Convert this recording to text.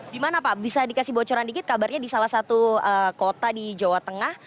gimana pak bisa dikasih bocoran dikit kabarnya di salah satu kota di jawa tengah